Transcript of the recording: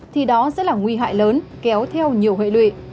thì đó sẽ là nguy hại lớn kéo theo nhiều hệ lụy